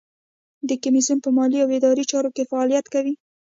د کمیسیون په مالي او اداري چارو کې فعالیت کوي.